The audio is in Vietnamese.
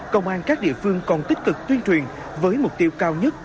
công an các địa phương còn tích cực tuyên truyền với mục tiêu cao nhất